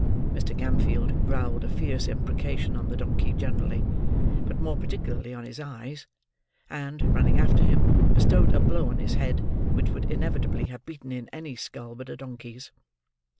Mr. Gamfield growled a fierce imprecation on the donkey generally, but more particularly on his eyes; and, running after him, bestowed a blow on his head, which would inevitably have beaten in any skull but a donkey's.